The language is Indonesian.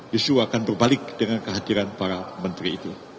justru akan berbalik dengan kehadiran para menteri itu